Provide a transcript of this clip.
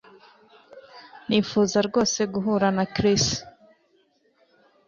Nifuza rwose guhura na Chris